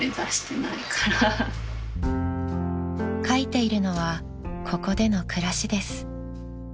［描いているのはここでの暮らしです］